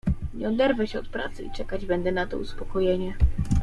"Nie oderwę się od pracy i czekać będę na to uspokojenie."